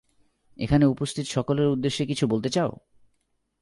এখানে উপস্থিত সকলের উদ্দেশ্যে কিছু বলতে চাও?